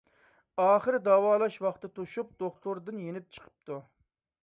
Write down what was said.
ئاخىرى داۋالاش ۋاقتى توشۇپ دوختۇردىن يېنىپ چىقىپتۇ.